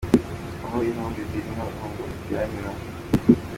Aho intumbi ziri niho inkongoro ziteranira.